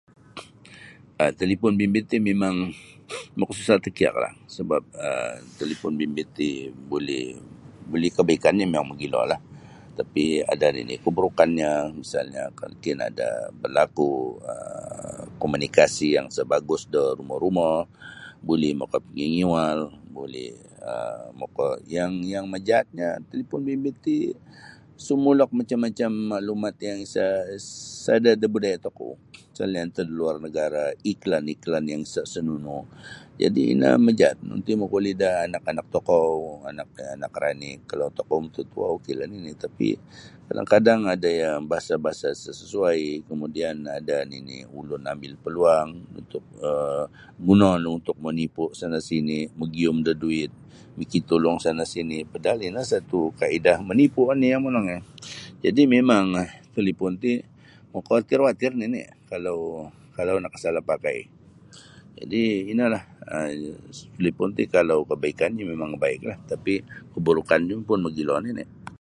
um Talipon bimbit ti mimang makasusah takiaklah sebap um talipon bimbit ti buli buli kebaikannyo mimang mogilolah tapi' ada nini' keburukannyo misalnyo mungkin ada' berlaku um komunikasi yang sa bagus da rumo-rumo buli makapingingiyual buli um moko yang yang majaatnyo talipon bimbit ti sumulok macam-macam maklumat isa sada' da budaya tokou misalnyo antad da luar nagara' iklan-iklan isa senonoh jadi' ino majaat nanti' makauli' da anak-anak tokou anak -anak ranik kalau tokou mututuo oklah nini' tapi kadang-kadang ada bahasa bahasa isa sesuai kemudian ada nini' ulun ambil peluang untuk um gunoon untuk menipu sana' sini magiyum da duit micitulung sana sini padahal ino satu' kaedah manipu' yang monongnyo. Jadi' mimang talipon ti makawatir-watir nini kalau kalau nakasala' pakai jadi inolah talipon ti kalau kebaikannyo mimang baiklah tapi' keburukannyo pun mogilo nini'.